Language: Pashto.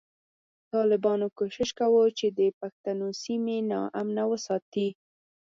ټالبانو کوشش کوو چی د پښتنو سیمی نا امنه وساتی